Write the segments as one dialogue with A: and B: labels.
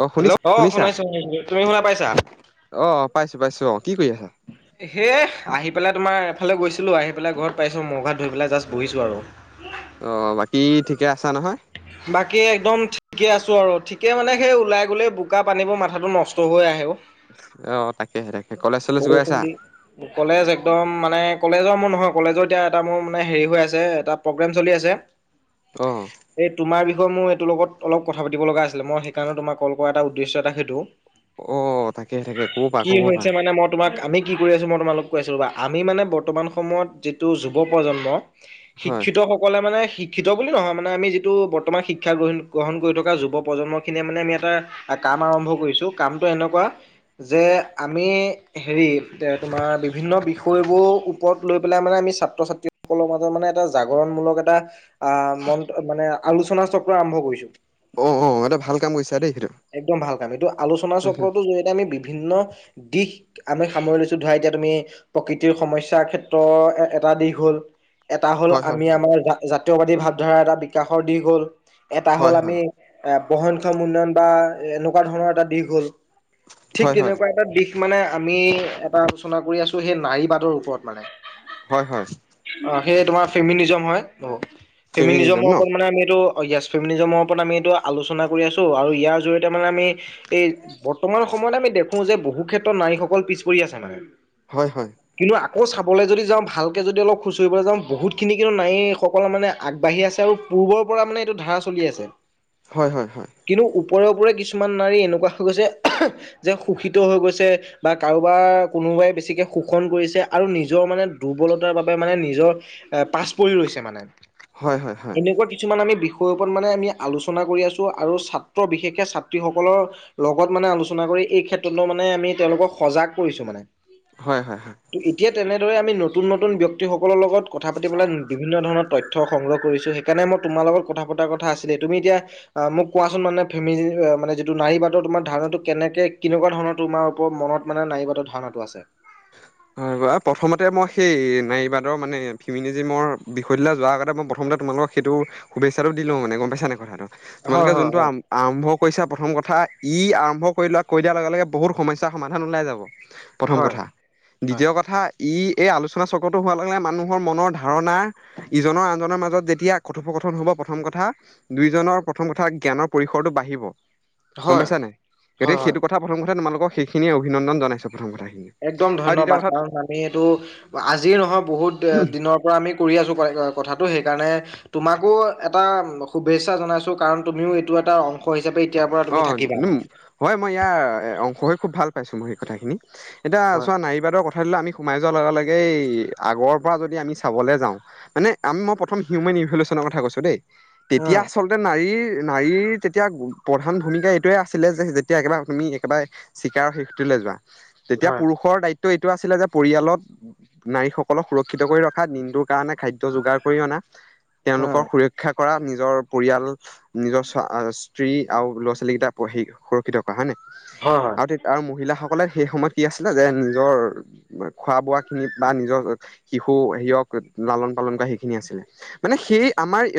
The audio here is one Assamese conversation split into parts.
A: অ
B: হেল্ল,
A: শুনিছা
B: অ
A: শুনিছা
B: শুনাইছো, তুমি শুনা পাইছা?
A: অ পাইছো পাইছো, অ কি কৰি আছা?
B: হে, আহি পেলাই তোমাৰ এফালে গৈছিলো, আহি পেলাই ঘৰত পাইছো মুখ - হাত ধুই পেলাই জাষ্ট বহিছো আৰু।
A: অঁ, বাকী ঠিকে আছা নহয়?
B: বাকী একদম ঠিকে আছো আৰু ঠিকে মানে সেই ওলাই গলে বোকা পানীবোৰ মাথাটো নষ্ট হৈ আহে অ।
A: অ তাকেহে তাকে, কলেজ - চলেজ গৈ
B: বৰষুণ
A: আছা?
B: দি কলেজ একদম মানে কলেজৰ মোৰ নহয়, কলেজৰ এতিয়া এটা মোৰ মানে হেৰি হৈ আছে, এটা প্ৰগ্ৰেম চলি আছে।
A: অঁ।
B: এই তোমাৰ বিষয়ে মোৰ এইটোৰ লগত অলপ কথা পাতিব লগা আছিলে, মই সেইকাৰণে তোমাৰ কল কৰা এটা উদ্দেশ্য এটা সেইটো।
A: অ তাকে তাকে ক'ব পাৰা
B: কি
A: ক'ব
B: হৈছে
A: পাৰা
B: মানে মই তোমাক আমি কি কৰি আছোঁ মই তোমালোক কৈছোঁ ৰবা, আমি মানে বৰ্তমান সময়ত যিটো যুৱ প্ৰজন্ম
A: হয়
B: শিক্ষিতসকলে মানে শিক্ষিত বুলি নহয় মা নে আমি যিটো বৰ্তমান শিক্ষা গ্ৰহণ গ্ৰহণ কৰি থকা যুৱ প্ৰজন্মখিনিয়ে মানে আমি এটা আ কাম আৰম্ভ কৰিছো, কামটো এনেকুৱা যে আমি হেৰি, এ তোমাৰ বিভিন্ন বিষয়বোৰ ওপৰত লৈ পেলাই মানে আমি চা ছাত্ৰ - ছাত্ৰীসকলৰ মাজত মানে এটা জাগৰণমূলক এটা আহ মন আ আলোচনা চক্ৰ আৰম্ভ কৰিছো।
A: অ অ এটা ভাল কাম কৰিছা দেই সেইটো
B: একদম ভাল কাম এইটো আলোচনা চক্ৰটোৰ জৰিয়তে আমি বি ভিন্ন দিশ আমি সামৰি লৈছো ধৰা এতিয়া তুমি প্ৰকৃতিৰ সমস্যাৰ ক্ষেত্ৰৰ এ এটা দিশ হ'ল এটা হ'ল
A: হয় হয়
B: আমি আমাৰ আ জাতীয়বাদী ভাৱধাৰা এটা বিকাশৰ দিশ হল, এটা
A: হয়
B: হ'ল
A: হয়
B: আমি এ বহনক্ষম উন্নয়ন বা এনেকুৱা ধৰণৰ এটা দিশ হ'ল
A: হয়
B: ঠিক
A: হয় হয়
B: তেনেকুৱা এটা দিশ মানে আমি এটা আলোচনা কৰি আছো সেই নাৰী বাদৰ ওপৰত মানে।
A: হয় হয়।
B: অ সেইয়ে তোমাৰ ফেমিনিজম হয়
A: ফেমিনিজম ন
B: ফেমিনিজমত মানে আমি এইটো য়ছ ফেমিলিজমৰ ওপৰত আমি এইটো আলোচনা কৰি আছো আৰু ইয়াৰ জৰিয়তে মানে আমি এই বৰ্তমান সময়ত আমি দেখো যে বহু ক্ষেত্ৰত নাৰীসকল পিছ পৰি আছে মানে।
A: হয় হয়
B: কিন্তু আকৌ চাবলৈ যদি যাওঁ ভালকে যদি অলপ খুচৰিবলৈ যাওঁ বহুতখিনি কিন্তু নাৰীসকললে মানে আগবাঢ়ি আছে আৰু পূৰ্বৰ পৰা মানে এইটো ধাৰা চলি আছে
A: হয় হয় হয়
B: কিন্তু ওপৰে ওপৰে কিছুমান নাৰী এনেকুৱা হৈ গৈছে যে শোষিত হৈ গৈছে বা কাৰোবাৰ কোনোবাই বেছিকে শোষণ কৰিছে আৰু নিজৰ মানে দুৰ্বলতাৰ বাবে মানে নিজৰ এ পাছ পৰি ৰৈছে মানে
A: হয় হয়
B: এনেকুৱা কিছুমান আমি বিষয়ৰ ওপৰত মানে আমি আলোচনা কৰি আছো আৰু ছাত্ৰ বিশেষকে ছাত্ৰীসকলৰ লগত মানে আলোচনা কৰি এই ক্ষেত্ৰতো মানে আমি তেওঁলোকক সজাগ কৰিছো মানে
A: হয় হয় হয়
B: ত এতিয়া তেনেদৰে আমি নতুন নতুন ব্যক্তি সকলৰ লগত কথা পাতিবেলাই বিভিন্ন ধৰণৰ তথ্য তথ্য সংগ্ৰহ কৰিছোঁ সেইকাৰণে মই তোমাৰ লগত কথা পতাৰ কথা আছিলে তুমি এতিয়া মোক কোৱাচোন মানে ফেমেজি মানে যিটো নাৰী বাটৰ তোমাৰ ধাৰণাটো কেনেকে কেনেকুৱা ধৰণৰ তোমাৰ ওপৰত মনত মানে নাৰীবাটৰ ধাৰণটো আছে
A: হয় প্ৰথমতে মই সেই নাৰীবাদৰ মানে ফিমিনী জিমৰ বিষয়টোলে যোৱাৰ আগতে মই প্ৰথমতে তোমালোকৰ সেইটো শুভেচ্ছাটো দিলোঁ মানে গম পাইছানে কথাটো
B: হয়
A: তোমালোকে
B: হয়
A: যোনটো আ আৰম্ভ কৰিছা প্ৰথম কথা ই আৰম্ভ কৰিলোৱা কৈ দিয়াৰ লগে লগে বহুত সমস্যা সমাধান ওলাই যাব। প্ৰথম
B: হয় হয়
A: কথা
B: হয়
A: দ্বিতীয় কথা ই এই আলোচনা চক্ৰটো হোৱাৰ লগে লগে মানুহৰ মনৰ ধাৰণাৰ ইজনৰ আনজনৰ মাজত যেতিয়া কথোপকথন হব প্ৰথম কথা দুইোজনৰ প্ৰথম কথা জ্ঞানৰ পৰিসৰটো বাঢ়িব গম
B: হয়
A: পাইছা নাই
B: হয়
A: গতিকে
B: হয়।
A: সেইটো কথা প্ৰথম কথা তোমালোকক সেইখিনিয়ে অভিনন্দন জনাইছো প্ৰথম কথাখিনি
B: একদম
A: আৰু দ্বিতীয়
B: ধন্যবাদ কাৰণ
A: কথাত
B: আমি এইটো আজি নহয় বহুত দি দিনৰ পৰা আমি কৰি আছোঁ কথাটো সেইকাৰণে তোমাকো এটা শুভেচ্ছা জনাইছো কাৰণ তুমিও এইটো এটা অংশ অংশ হিচাপে এতিয় পৰা
A: অ
B: তুমি থাকিবা
A: উম হয় মই ইয়াৰ অংশ হৈ খুব ভাল পাইছোঁ মোৰ সেই কথাখিনি এতিয়া
B: হয়
A: চোৱা নাৰীবাদৰ কথা থাইটোলৈ আমি সোমাই যোৱাৰ লগে লগেই আগৰ পৰা যদি আমি চাবলৈ যাওঁ মানে আ মই প্ৰথম হিউমেন ৰিভলিউচনৰ কথা কৈছো দেই তেতিয়া
B: উম
A: আচলতে নাৰীৰ নাৰীৰ তেতিয়া গো প্ৰধান ভূমিকা এইটোৱে আছিলে যে যেতিয়া একেবাৰে ভূমি একেবাৰে চিকাৰ শিকটোলৈ যোৱা। তেতিয়া
B: হয়
A: পুৰুষৰ দায়িত্ব এইটো আছিলে যে পৰিয়ালত নাৰীসকলক সুৰক্ষিত কৰি ৰখা দিনটোৰ কাৰণে খাদ্য যোগাৰ কৰি অনা
B: উম
A: তেওঁলোকৰ সুৰক্ষা কৰা নিজৰ পৰিয়াল নিজৰ স্বা স্ত্ৰী আৰু ল'ৰা ছোৱালী কেইটা পঢ়ি সুৰক্ষিত থকা হয় নই
B: হয় হয়
A: আৰু আৰু মহিলাসকলে সেই সময়ত কি আছিলে যে নিজৰ খোৱা বোৱা খিনি বা নিজৰ শিশু হেৰিয়ক লালন পালন কৰা সেইখিনি আছিলে মানে সেই আমাৰ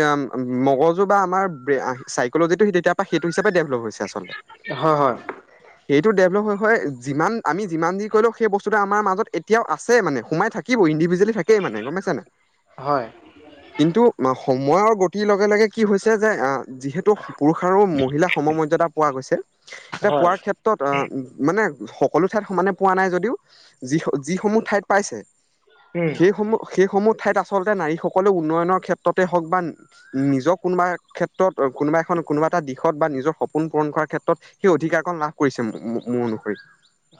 A: মগজু বা আমাৰ বে চাইকলজিটো তেতিয়া সেইটো হিচাপে ডেভলপ হৈছে আচলতে।
B: হয় হয়।
A: সেইটো ডেভেললপ হৈ হৈ যিমান আমি সেইটো ডেভলপ হৈ হৈ আমি যিমান যি কৰিলেও সেই বস্তুটো আমাৰ মাজত এতিয়াও আছেই মানে, সোমাই থাকে। কিবও, ইণ্ডিভিজুৱেলি থাকেই মানে, গ'ম পাইছা নে নাই?
B: হয়।
A: কিন্তু সময়ৰ গতিৰ লগে লগে কি হৈছে যে, অহ, যিহেতু পুৰুষ পুৰুষ আৰু মহিলা সম মৰ্যাদা পোৱা গৈছে,
B: হয়
A: এতিয়া
B: হয়
A: পোৱাৰ ক্ষেত্ৰত ত্ৰত এ মানে সকলো ঠাইত সমানে পোৱা নাই যদিও যি যিসমূহ ঠাইত পাইছে,
B: উম
A: সেইসমূহ সেইসমূহ ঠাইত আচলতে নাৰীসকলৰ উন্নয়নৰ ক্ষেত্ৰতে হওঁক বা নিজৰ কোনোবা ক্ষেত্ৰত, কোনোবা এখন কোনোবা এটা দিশত বা নিজৰ সপোন পূৰণ কৰাৰ ক্ষেত্ৰত, সেই অধিকাৰ কণ লাভ কৰিছে, মোৰ অনুসৰি।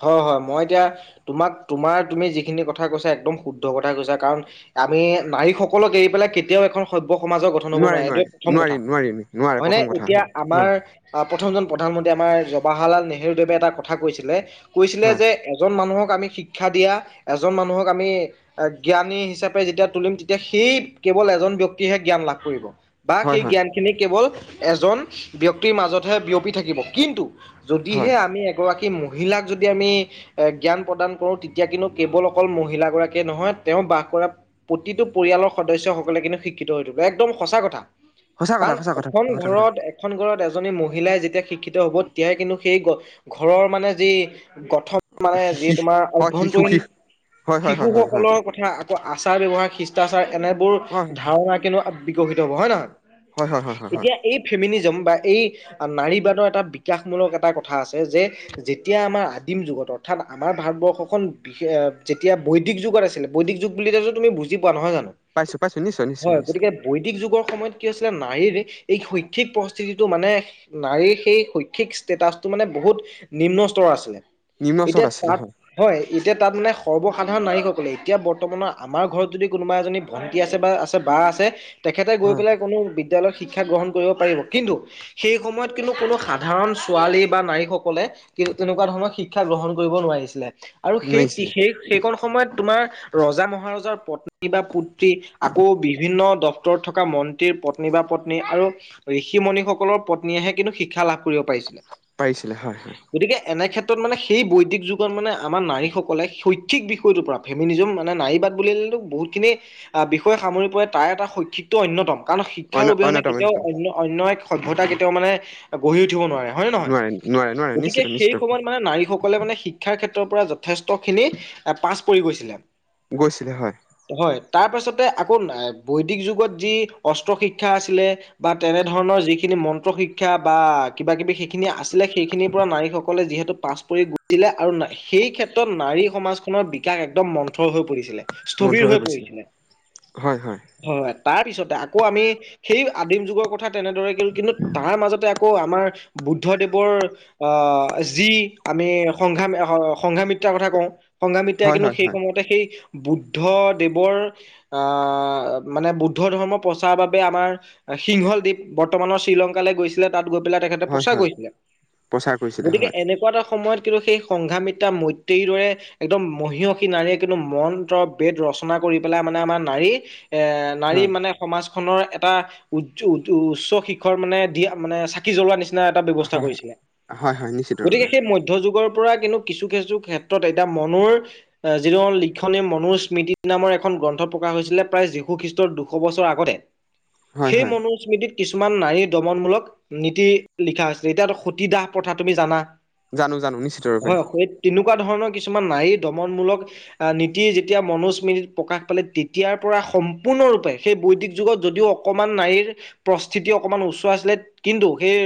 B: হয়, হয় মই এতিয়া তোমাক তোমাৰ তুমি যিখিনি কথা কৈছা একদম শুদ্ধ কথা কৈছা। কাৰণ আমি নাৰীসকলক এৰি পেলাই কেতিয়াও এখন সভ্য সমাজৰ গঠন হ'ব নোৱাৰে এইটো প্ৰথম
A: নোৱাৰি
B: কথা।
A: নোৱাৰি নোৱাৰে
B: হয় নে?
A: প্ৰথম কথা
B: এতিয়া
A: হয়
B: আমাৰ
A: হয়
B: অহ, প্ৰথমজন প্ৰধানমন্ত্ৰী আমাৰ জৱাহৰলাল নেহেৰুদেৱে এটা কথা কৈছিলে, কৈছিলে
A: হয়
B: যে এজন মানুহক আমি শিক্ষা দিয়া, এজন মানুহক আমি জ্ঞানী হিচাপে যেতিয়া তুলিম, তেতিয়া সেই কেৱল এজন ব্যক্তিহে জ্ঞান লাভ কৰিব। বা
A: হয়
B: সেই
A: হয়
B: জ্ঞানখিনি কেৱল এজন ব্যক্তিৰ মাজতহে বিয়পি থাকিব, কিন্তু যদিহে
A: হয়
B: আমি এগৰাকী মহিলাক যদি যদি আমি এ জ্ঞান প্ৰদান কৰো, তেতিয়া কিন্তু কেৱল অকল মহিলা গৰাকীয়েই নহয়, তেওঁ বাস কৰা প্ৰতিটো পৰিয়ালৰ সদস্যসকলে কিন্তু শিক্ষিত হৈ উঠিব, একদম সঁচা কথা।
A: সঁচা কথা
B: কাৰণ
A: সঁচা কথা
B: এখন
A: সঁচা কথা
B: ঘৰত এ এখন ঘৰত এজনী মহিলাই যেতিয়া শিক্ষিত হ'ব, তেতিয়াহে কিন্তু সেই ঘৰৰ মানে যি গঠন মানে যি তোমাৰ
A: হয় শিশু
B: অভ্যন্তৰীণ
A: শিশু হয় হয় হয় হয়
B: শিশুসকলৰ কথা, আকৌ আচাৰ ব্যৱহাৰ, শিষ্টাচাৰ এনেবোৰ
A: হয়
B: ধাৰণা ৱা বিকশিত হ'ব, হয় নে নহয়?
A: হয় হয় হয় হয় হয় হয়
B: এতিয়া এই ফেমিনিজম বা এই নাৰীবাদৰ এটা বিকাশমূলক এটা কথা আছে যে যেতিয়া আমাৰ আদিম যুগত, অৰ্থাৎ আমাৰ ভাৰতবৰ্ষখন যেতিয়া বৈদিক যুগত আছিলে, বৈদিক যুগ বুলিলেটো তুমি বুজি পোৱা নহয় জানো?
A: পাইছো পাইছো, নিশ্চয়, নিশ্চয়,
B: হয়
A: নিশ্চয়।
B: গতিকে বৈদিক যুগৰ সময়ত কি হৈছিলে, নাৰীৰ এই শৈক্ষিক পৰিস্থিতিটো মানে নাৰীৰ সেই শৈক্ষিক ষ্টেটাচটো মানে বহুত নিম্ন স্তৰৰ আছিলে।
A: নিম্ন স্তৰত
B: এতিয়া
A: আছিলে
B: তাত হয়, এতিয়া তাত মানে সৰ্বসাধাৰণ নাৰীসকলে এতিয়া বৰ্তমানৰ আমাৰ ঘৰত যদি কোনোবা এজনী ভণ্টি আছে বা আছে বা আছে, তেখেতে গৈ
A: হয়
B: পেলাই কোনো বিদ্যালয়ত শিক্ষা গ্ৰহণ কৰিব পাৰিব, কিন্তু সেই সময়ত কিন্তু কোনো সাধাৰণ ছোৱালী বা নাৰীসকলে কিন্তু তেনেকুৱা ধৰণৰ শিক শিক্ষা গ্ৰহণ কৰিব নোৱাৰিছিলে, আৰু সেই
A: নোৱাৰিছিলে
B: সেই সেইকণ সময়ত তোমাৰ ৰজা মহাৰজাৰ পত্নী বা পুত্ৰী, আকৌ বিভিন্ন দপ্তৰত থকা মন ন্তীৰ পত্নী বা পত্নী আৰু ঋষি মুণিসকলৰ পত্নীয়েহে কিন্তু শিক্ষা লাভ কৰিব পাৰিছিলে।
A: পাৰিছিলে, হয় হয়।
B: গতিকে এনে ক্ষেত্ৰত মানে সেই বৈদিক যুগত মানে আমাৰ নাৰীসকলে শৈক্ষিক বিষয়টোৰ পৰা, ফেমিনিজম মানে নাৰী বাদ বুলিলেতো বহুতখিনি বিষয় সামৰি পৰে, তাৰ এটা শৈক্ষিক টো অন্যতম, কাৰণ শিক্ষাৰ
A: অন্য
B: অবিহনে
A: অন্যতম
B: কেতিয়াও
A: অন্যতম
B: অন্য অন্য এক সভ্যতা কেতিয়াও মানে গঢ়ি উঠিব নোৱাৰে। হয় নে নহয়?
A: নোৱাৰে নোৱাৰে নোৱাৰে
B: গতিকে
A: নিশ্চিত
B: সেই
A: নিশ্চিত
B: সময়ত নে নাৰীসকলে মানে শিক্ষাৰ ক্ষেত্ৰৰ পৰা যথেষ্ট খিনি এ পাছ পৰি গৈছিলে।
A: গৈছিলে হয়।
B: হয়, তাৰপাছতে আকৌ নাই বৈদিক যুগত যি অস্ত্ৰ শিক্ষা আছিলে। বা তেনে ধৰণৰ যিখিনি মন্ত্ৰ শিক্ষা বা কিবা কিবি সেইখিনি আছিলে, সেইখিনিৰ পৰা নাৰীসকলে যিহেতু পাছ পৰি গৈছিলে আৰু সেই ক্ষেত্ৰত নাৰী সমাজখনৰ বিকাশ একদম মন্থৰ হৈ পৰিছিলে।
A: বন্ধ
B: স্থবিৰ হৈ
A: গৈছিলে
B: পৰিছিলে। হয়, হয় তাৰপিছতে আকৌ আমি সেই আদিম যুগৰ কথা তেনেদৰে কিন্তু তাৰ মাজতে আকৌ আমাৰ বুদ্ধদেৱৰ অ যি আমি সংঘা সংঘামিত্ৰাৰ কথা কওঁ সংঘামিত্ৰাই
A: হয়
B: কিন্তু
A: হয়
B: সেই
A: হয়
B: সময়তে সেই বুদ্ধ দেৱৰ আ মানে বুদ্ধ ধৰ্ম প্ৰচাৰৰ বাবে আমাৰ সিংহল দ্বীপ বৰ্তমানৰ শ্ৰীলংকালৈ গৈছে পেলে তাত গৈ পেলাই তেখেতে
A: হয়
B: প্ৰচাৰ
A: হয়
B: কৰিছিলে
A: প্ৰচাৰ কৰিছিলে
B: গতিকে
A: হয়
B: এনে এনেকুৱা এটা সময়ত কিন্তু সেই সংঘামিত্ৰা মৈত্ৰেয়ীৰ দৰে একদম মহীয়সী নাৰীয়ে কিন্তু মন্ত্ৰ বেদ ৰচনা কৰি পেলাই মানে আমাৰ নাৰী এ নাৰী
A: হয়
B: মানে সমাজখনৰ এটা উজ উ উচ্চ শিখৰ মানে দিয়া মানে চাকি জ্বলোৱা নিচিনা নিচিনা এটা ব্যৱস্থা
A: হয় হয়
B: কৰিছিলে
A: হয় হয় নিশ্চিত
B: গতিকে সেই মধ্যযুগৰ পৰা কিন্তু কিছু কিছু ক্ষেত্ৰত এতিয়া মনুৰ যিজন লিখনি মনুৰচ্ স্মৃতি নামৰ এখন গ্ৰন্থ প্ৰকাশ হৈছিলে প্ৰায় যীশু খ্ৰীষ্টৰ দুশ বছৰ আগতে
A: হয়
B: সেই
A: হয়
B: মনু স্মৃতিত কিছুমান নাৰীৰ দমনমূলক নীতি লিখা হৈছিলে এতিয়াতো সতীদাহ প্ৰথা তুমি জানা
A: জানো জানো নিশ্চ
B: হয় তেনেকুৱা ধৰণৰ কিছুমান নাৰীৰ দমনমূলক নীতি যেতিয়া মনুৰ স্মৃতিত প্ৰকাশ পালে তেতিয়াৰ পৰা সম্পূৰ্ণৰূপে সেই বৈদিক যুগত যদিও অ কণমান নাৰীৰ প্ৰস্তিতি অকমান উচ্চ আছিলে কিন্তু সেই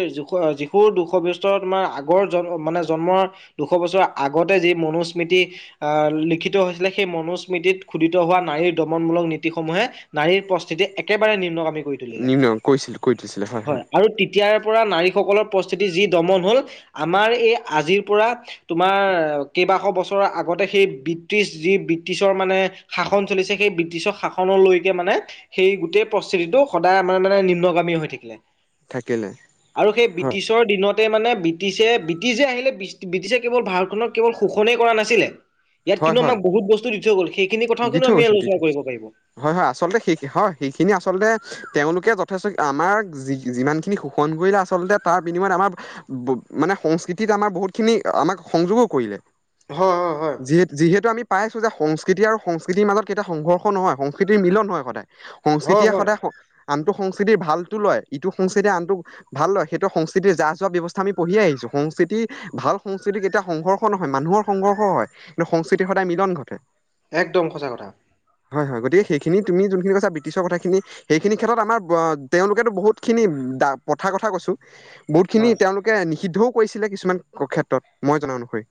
B: যীশুৰ দুশ বছৰ তোমাৰ আগৰ মানে জন্মৰ দুশ বছৰ আগতে যি মনুস্মৃতি আহ লিখিত হৈছিলে সেই মনোস্মৃতিত খোদিত হোৱা নাৰীৰ দমনমূলক নীতিসমূহে নাৰীৰ প্ৰস্থিতি একেবাৰে নিম্নগামী কৰি তুলিলে।
A: নিম্ন কৈছিল কৈ দিছিলে হয় হয়
B: আৰু তেতিয়াৰ পৰা নাৰীসকলৰ প্ৰস্তিতি যি দমন হ'ল আমাৰ এই আজিৰ পৰা তোমাৰ কেইবাশ বছৰৰ আগতে সেই ব্ৰিটিছ যি ব্ৰিটিছৰ মানে শাসন চলিছে সেই ব্ৰিটিছৰ শাসনলৈকে মানে সেই গোটেই প্ৰস্থিতিটো সদায় আমান মানে নিম্নগামী হৈ থাকিলে
A: থাকিলে
B: আৰু সেই
A: হয়
B: ব্ৰিটিছৰ দিনতে মানে বি ব্ৰিটিছে ব্ৰিটিছে আহিলে ব্ৰিটিছে কেৱল ভাৰতখনক কেৱল শোষণেই কৰা নাছিলে ইয়াত
A: হয়
B: কিন্তু আমাক
A: হয়
B: বহু বস্তু দি থৈ গ'ল সেইখিন কথাও
A: দি
B: কিন্তু
A: থৈ
B: আমি
A: গৈছে দি থৈ
B: আলোচনা
A: গৈছে
B: কৰিব পাৰিব
A: হয় হয় আচলতে সেই হয় সেইখিনি আচলতে তেওঁলোকে যথেষ্ট আমাৰ যি যিমানখিনি কণগোইলা আচলতে তাৰ বিনিময়ত আমাৰ মানে সংস্কৃতিত আমাৰ বহুতখিনি আমাক সংযোগো কৰিলে
B: হয় হয় হয়
A: যিহে যিহেতু আমি পাইছো যে সংস্কৃতি আৰু সংস্কৃতিৰ মাজত কেতিয়া সংঘৰ্ষ নহয় সংস্কৃতিৰ মিলন হয় সদায়
B: হয়
A: সংস্কৃতিয়ে
B: হয়
A: সদায় আনটো সংস্কৃতিৰ ভালটো লয় ইটো সংস্কৃতিয়ে আনটো ভাল লয় সেইটো সংস্কৃতিৰ যাহ যোৱা ব্যৱস্থা আমি পঢ়িয়ে আহিছো সংস্কৃতি ভাল সংস্কৃতি কেতিয়াও সংঘৰ্ষ নহয় মানুহৰ সংঘৰ্ষ হয় কিন্তু সংস্কৃতিৰ সদায় মিলন ঘটে
B: একদম সঁচা কথা।
A: হয়, হয়, গতিক সেইখিনি তুমি যোনখিনি কৈছা ব্ৰিটিছৰ কথা খিনি। সেইখিনি ক্ষেত্ৰত আমাৰ তেওঁলোকেতো বহুত খিনি দা প্ৰথাৰ কথা কৈছোঁ।
B: হয়।
A: বহুতখিনি তেওঁলোকে নিষিদ্ধও কৰিছিলে, কিছুমান ক্ষেত্ৰত মই জনা অনুসৰি।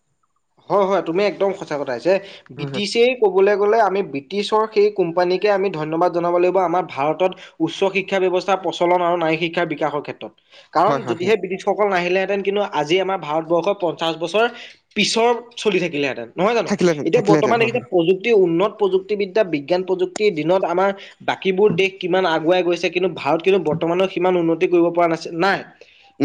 B: হয়, হয়, তুমি একদম সঁচা কথা কৈছা,
A: হয় হয়
B: ব্ৰিটিছেই ক'বলৈ গ'লে আমি ব্ৰিটিছৰ সেই কোম্পানীকে আমি ধন্যবাদ জনাব লাগিব, আমাৰ ভাৰতত উচ্চ শিক্ষা ব্যৱস্থা প্ৰচলন আৰু নাৰী শিক্ষাৰ বিকাশৰ ক্ষেত্ৰত। কাৰণ
A: হয় হয়
B: যদিহে
A: হয়
B: ব্ৰিটিছসকল নাহিলেহেঁতেন কিন্তু, আজি আমাৰ ভাৰতবৰ্ষৰ পঞ্চাশ বছৰ পিছৰ চলি থাকিলেহেঁতেন। নহয় জানো?
A: থাকিলেহেঁতেন
B: এতিয়া
A: থাকিলেহেঁতেন
B: বৰ্তমান
A: হয়
B: এইকিটা
A: হয়
B: প্ৰযুক্তি, উন্নত প্ৰযুক্তি ক্তিবিদ্যা, বিজ্ঞান প্ৰযুক্তিৰ দিনত আমাৰ বাকীবোৰ দেশ কিমান আগুৱাই গৈছে। কিন্তু ভাৰত কিন্তু বৰ্তমানেও সিমান উন্নতি কৰিব পৰা নাছিল, নাই।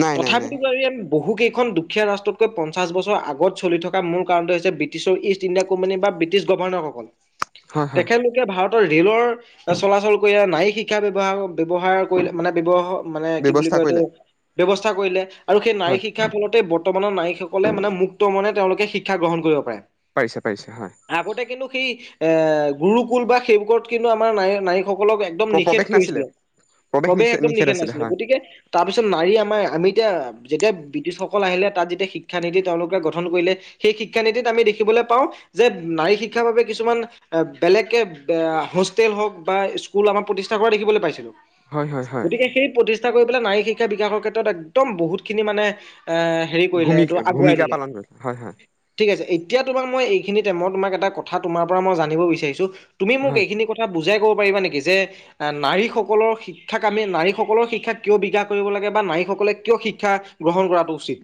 A: নাই নাই
B: তথাপি,
A: নাই
B: বাৰু ইয়াত বহু কেইখন দুখীয়া ৰাষ্ট্ৰতকৈ পঞ্চাশ বছৰ আগত চলি থকা মূৰ কাৰণটো হৈছে ব্ৰিটিছৰ ইষ্ট ইণ্ডিয়া কোম্পানী বা ব্ৰিটিছ গভৰ্ণসকল।
A: হয় হয়
B: তেখেত কে, ভাৰতৰ ৰে'লৰ চলাচল কৰিলে, নাৰী শিক্ষা ব্যৱহাৰ ব্যৱহাৰ কৰিলে মানে ব্যৱহ মানে কি বুলি
A: ব্যৱস্থা
B: কয় এইটো,
A: কৰিলে
B: ব্যৱস্থা কৰিলে আৰু সেই নাৰী
A: হয়
B: শিক্ষাৰ ফলতে বৰ্তমানৰ নাৰীসকলে মানে মুক্ত মনে, তেওঁলোকে শিক্ষা গ্ৰহণ কৰিব পাৰে।
A: পাৰিছে, পাৰিছে। হয়।
B: আগতে কিন্তু সেই এ, গুৰুকুল বা সেই বোৰত কিন্তু আমাৰ নাৰী নাৰীসকলক এক একদম
A: প্ৰ-
B: নিষেধ
A: প্ৰৱেশ নাছিলে
B: কৰিছিলে। প্ৰৱেশ
A: নিষে
B: একদম নিষেধ
A: আছিলে
B: নাছিলে,
A: হয়
B: গতিকে তাৰ পিছত নাৰী আমাৰ আমিতিয়া, যেতিয়া ব্ৰিটিছসকল আহিলে। তাত যেতিয়া, শিক্ষা নীতি তেওঁলোক গঠন কৰিলে সেই শিক্ষা নীতিত আমি দেখিবলৈ পাওঁ যে, নাৰী শিক্ষাৰ বাবে কিছুমান বেলেগকে হোষ্টেল হওঁক বা স্কুল আমাৰ প্ৰতিষ্ঠা কৰা দেখিবলৈ পাইছিলো।
A: হয় হয় হয়
B: গতিকে, সেই প্ৰতিষ্ঠা কৰি পেলাই নাৰী শিক্ষা বিকাশৰ ক্ষেত্ৰত একদম বহুত খিনি মানে এ হেৰি কৰিলে,
A: ভূমি
B: এইটো আগুৱাই
A: ভূমিকা
B: দিলে।
A: পালন কৰিছে হয়, হয়।
B: ঠিকআছে, এতিয়া তোমাক মই এইখিনি টাইমত, মই তোমাক এটা কথা তোমাৰ পৰা মই জানিব বিচাৰিছোঁ। তুমি মোক
A: হয়
B: এইখিনি কথা বুজাই ক'ব পাৰিবা নেকি? যে আ, নাৰীসকলৰ শিক্ষাক আমি, নাৰীসকলৰ শিক্ষা কিয় বিকাশ কৰিব লাগে বা নাৰীসকলে কিয় শিক্ষা গ্ৰহণ কৰাটো উচিত।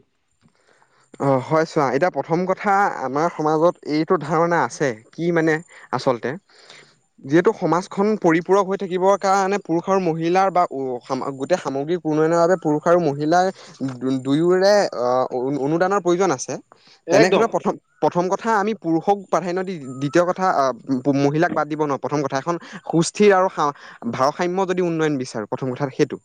A: অ', হয় চোৱা। এতিয়া প্ৰথম কথা, আমাৰ সমাজত এইটো ধাৰণা আছে কি মানে আচলতে যিহেতু, সমাজখন পৰিপূৰক হৈ থাকিবৰ কাৰণে পুৰুষ আৰু মহিলাৰ বা গোটেই সামগ্ৰীক উনয়নৰ বাবে পুৰুষ আৰু মহিলাই দু দুয়োৰে আ, অৰুণ অনুদানৰ প্ৰয়োজন আছে।
B: একদম
A: তেনেক্ষেত্ৰত প্ৰথম প্ৰথম কথা, আমি পুৰুষক পাধাইন দি, দ্বিতীয় কথা মহিলাক বাদ দিব নোৱাৰোঁ। প্ৰথম কথা এখন সুস্থিৰ আৰু সাও, ভাৰসাম্য যদি উন্নয়ন বিচাৰো, প্ৰথম কথা সেইটো।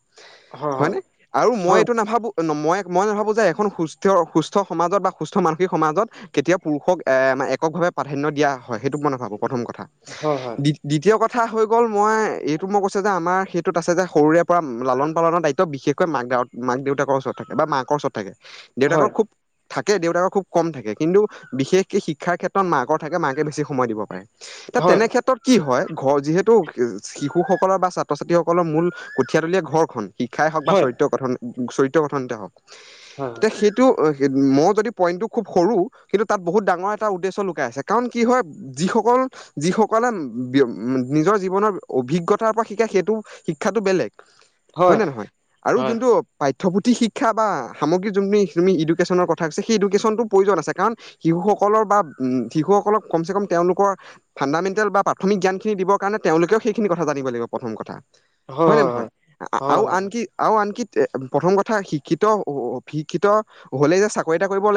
A: হয় নে? আৰু মই
B: হয়
A: এইটো নাভাবো মই, মই নাভাবো যে এখন সুচ তেওঁৰ সুস্থ সমাজত বা সুস্থ মানসিক সমাজত কেতিয়াও পুৰুষক এ মানে এককভাৱে প্ৰাধান্য দিয়া হয়, সেইটো মই নাভাবো প্ৰথম কথা।
B: হয়, হয়।
A: দ্বিতীয় কথা হৈ গ'ল- মই এইটো মই কৈছে যে আমাৰ সে ত'ত আছে যে সৰুৰে পৰা লালন পালনৰ দায়িত্ব বিশেষকৈ মাক দাউত, মাক দেউতাকৰ ওচৰত থাকে বা মাক ওচৰত থাকে। দেউতাকৰ
B: হয়
A: খুব থাকে, দেউতাকৰ খুব কম থাকে। কিন্তু বিশেষকৈ শিক্ষাৰ ক্ষেত্ৰত মাকৰ থাকে, মাকে বেছি সময় দিব পাৰে। ত,
B: হয়
A: তেনেক্ষেত ত', কি হয় ঘৰ যিহেতু শিশুসকলৰ বা ছাত্ৰ-ছাত্ৰীসকলৰ মূল কঠিয়াতলীএ ঘৰখন। শিক্ষাই হওক বা
B: হয়
A: চৰিত্ৰ গঠন চৰিত্ৰ, গঠনতে হওক।
B: হয়
A: এতিয়া সেইটো মই যদি পইণ্টটো খুব সৰু, কিন্তু তাত বহুত ডাঙৰ এটা উদ্দেশ্য লুকাই আছে কাৰণ কি হয় যিসকল যিসকলে ব্য নিজৰ জীৱনৰ অভিজ্ঞতাৰ পৰা শিকায় সেইটো শিক্ষাটো বেলেগ। হয় নে নহয়?
B: হয়
A: আৰু
B: হয়
A: যোনটো পাঠ্যপুথি শিক্ষা বা সামগ্ৰিক তুমি, তুমি এডুকেশ্যনৰ কথা কৈছে সেই ইডুকেশ্যনটো প্ৰয়োজন আছে কাৰণ শিশুসকলৰ বা উমঁ' শিশুসকলক কমচে কম তেওঁলোকৰ ফাণ্ডামেণ্টেল বা প্ৰাথমিক জ্ঞানখিন দিব কাৰণে তেওঁলোকেও সেইখিনি কথা জানিব লাগিব প্ৰথম কথা। হয় নে নহয় আৰু
B: হয় হয়
A: আনকি আৰু আনকি প্ৰথম কথা শিক্ষিত শিক্ষিত হ'লেই যে চাকৰি এটা কৰিব লা